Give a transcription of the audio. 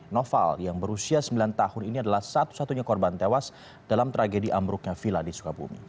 noval yang berusia sembilan tahun ini adalah satu satunya korban tewas dalam tragedi ambruknya villa di sukabumi